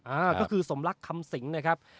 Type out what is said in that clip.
อ่าก็คือสมรักคำสิงนะครับ